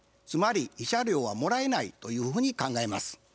つまり慰謝料はもらえないというふうに考えます。